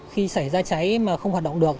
khi xảy ra cháy mà không hoạt động được